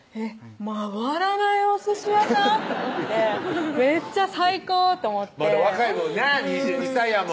回らないおすし屋さん？と思ってめっちゃ最高と思ってまだ若いもんな２２歳やもん